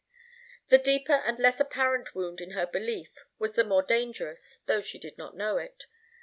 The deeper and less apparent wound in her belief was the more dangerous, though she did not know it.